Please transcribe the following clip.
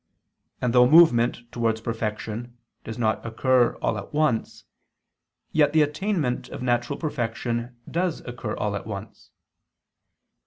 And though movement towards perfection does not occur all at once, yet the attainment of natural perfection does occur all at once.